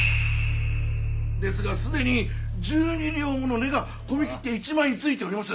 ですがすでに十二両もの値が米切手一枚についております。